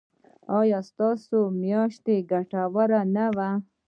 ایا ستاسو میاشت ګټوره نه وه؟